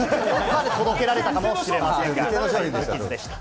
届けられたかもしれませんが、無傷でした。